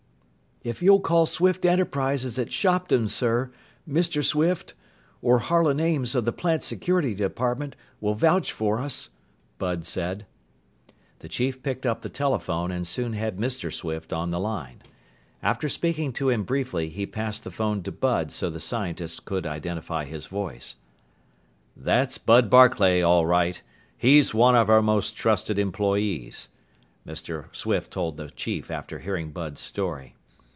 "If you'll call Swift Enterprises at Shopton, sir, Mr. Swift or Harlan Ames of the plant security department will vouch for us," Bud said. The chief picked up the telephone and soon had Mr. Swift on the line. After speaking to him briefly, he passed the phone to Bud so the scientist could identify his voice. "That's Bud Barclay, all right. He's one of our most trusted employees," Mr. Swift told the chief after hearing Bud's story.